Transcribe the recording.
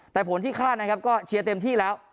แต่ผลที่คาดนะครับก็เชียร์เต็มที่แล้ว